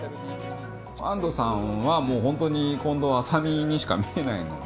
安藤さんはもう本当に、近藤麻美にしか見えないので。